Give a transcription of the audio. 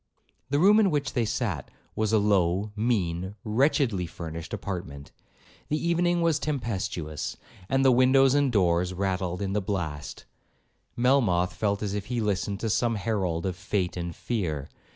The room in which they sat was a low, mean, wretchedly furnished apartment; the evening was tempestuous, and as the windows and doors rattled in the blast, Melmoth felt as if he listened to some herald of 'fate and fear.'